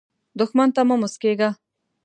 دښمن ته مه مسکېږه